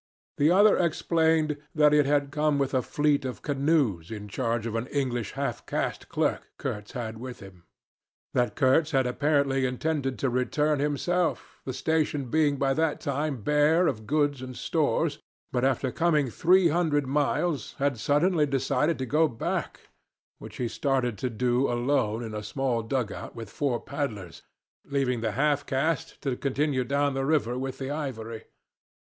The other explained that it had come with a fleet of canoes in charge of an English half caste clerk Kurtz had with him; that Kurtz had apparently intended to return himself, the station being by that time bare of goods and stores, but after coming three hundred miles, had suddenly decided to go back, which he started to do alone in a small dug out with four paddlers, leaving the half caste to continue down the river with the ivory.